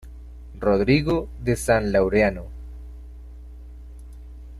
Rodrigo de San Laureano.